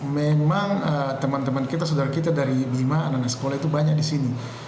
memang teman teman kita saudara kita dari bima anak anak sekolah itu banyak di sini